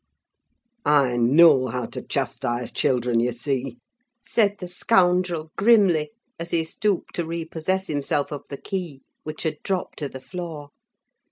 "I know how to chastise children, you see," said the scoundrel, grimly, as he stooped to repossess himself of the key, which had dropped to the floor.